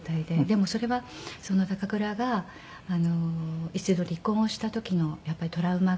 でもそれは高倉が一度離婚した時のやっぱりトラウマがあったみたいで。